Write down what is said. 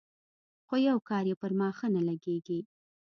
خو يو کار يې پر ما ښه نه لګېږي.